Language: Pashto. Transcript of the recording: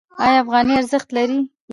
آیا افغانۍ ارزښت لري؟